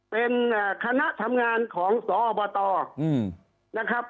เป็นคณะทำงานของสอบตนะครับ